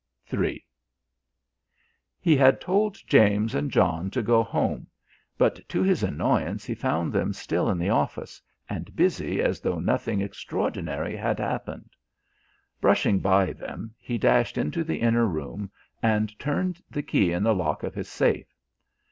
III He had told James and John to go home, but to his annoyance he found them still in the office and busy as though nothing extraordinary had happened. Brushing by them, he dashed into the inner room and turned the key in the lock of his safe.